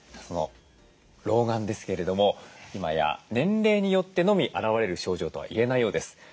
老眼ですけれども今や年齢によってのみ現れる症状とは言えないようです。